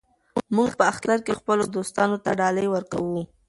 موږ په اختر کې خپلو دوستانو ته ډالۍ ورکوو.